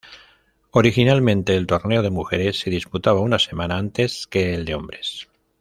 Originalmente el torneo de mujeres se disputaba una semana antes que el de hombres.